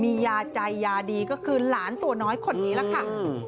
มียาใจยาดีก็คือหลานตัวน้อยคนนี้ล่ะค่ะ